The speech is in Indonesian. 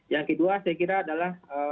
yang kedua saya kira adalah